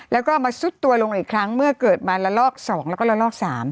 แล้วก็มาซุดตัวลงอีกครั้งเมื่อเกิดมาละลอก๒แล้วก็ละลอก๓